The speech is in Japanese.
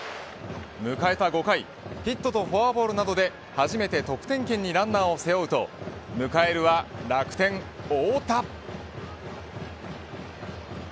迎えた５回ヒットとフォアボールなどで初めて得点圏にランナーを背負うと迎えるは楽天、太田。